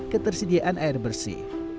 ketersediaan air bersih